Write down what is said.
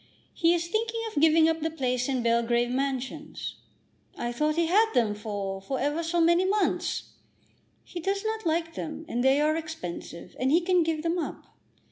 He is thinking of giving up the place in Belgrave Mansions." "I thought he had them for for ever so many months." "He does not like them, and they are expensive, and he can give them up.